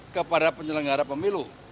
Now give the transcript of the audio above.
kepada penyelenggara pemilu